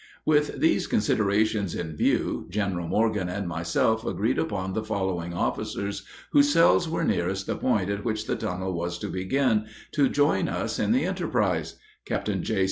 ] With these considerations in view, General Morgan and myself agreed upon the following officers, whose cells were nearest the point at which the tunnel was to begin, to join us in the enterprise: Captain J.